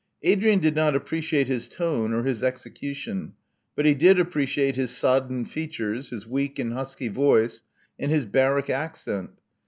Adrian did not appreciate his tone or his execution; but he did appreciate his sodden features, his weak and husky voice, and his barrack accent.